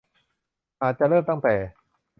อาจจะเริ่มตั้งแต่